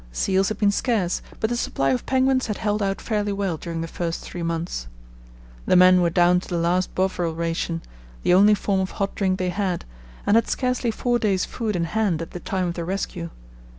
Seals had been scarce, but the supply of penguins had held out fairly well during the first three months. The men were down to the last Bovril ration, the only form of hot drink they had, and had scarcely four days' food in hand at the time of the rescue.